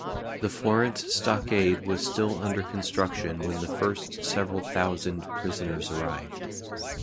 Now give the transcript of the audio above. The Florence Stockade was still under construction when the first several thousand prisoners arrived.